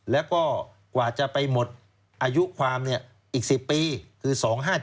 แล้วก็กว่าจะไปหมดอายุความอีก๑๐ปีคือ๒๕๗